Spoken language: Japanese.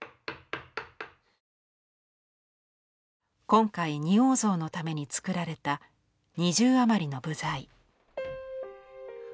今回仁王像のためにつくられた２０余りの部材。